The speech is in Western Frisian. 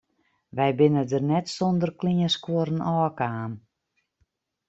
Wy binne der net sûnder kleanskuorren ôfkaam.